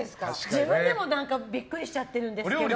自分でもビックリしちゃってるんです。